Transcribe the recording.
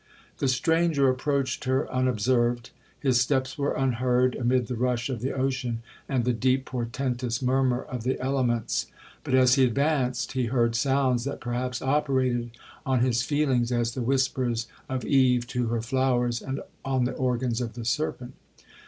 'The stranger approached her unobserved; his steps were unheard amid the rush of the ocean, and the deep, portentous murmur of the elements; but, as he advanced, he heard sounds that perhaps operated on his feelings as the whispers of Eve to her flowers on the organs of the serpent.